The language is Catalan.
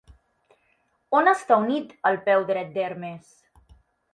On està unit el peu dret d'Hermes?